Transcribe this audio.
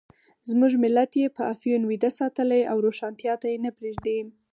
زموږ ملت یې په افیون ویده ساتلی او روښانتیا ته یې نه پرېږدي.